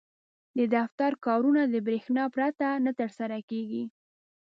• د دفتر کارونه د برېښنا پرته نه ترسره کېږي.